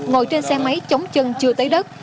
ngồi trên xe máy chống chân chưa tới đất